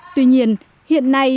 tuy nhiên hiện nay